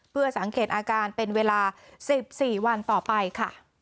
เพื่อสังเกตอาการเป็นเวลา๑๔วันต่อไปค่ะ